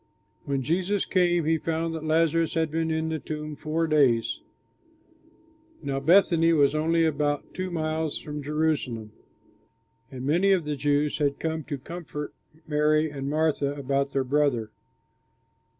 When Jesus came he found that Lazarus had been in the tomb four days. Now Bethany was only about two miles from Jerusalem, and many of the Jews had come to comfort Mary and Martha about their brother.